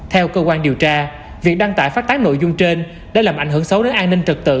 theo cơ quan điều tra việc đăng tải phát tán nội dung trên đã làm ảnh hưởng xấu đến an ninh trật tự